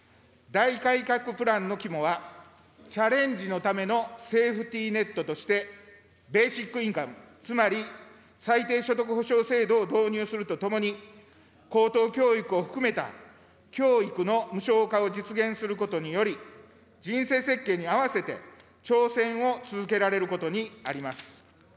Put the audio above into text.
大改革プランの肝は、チャレンジのためのセーフティネットとしてベーシックインカム、つまり最低所得保障制度を導入するとともに、高等教育を含めた教育の無償化を実現することにより、人生設計に合わせて、挑戦を続けられることにあります。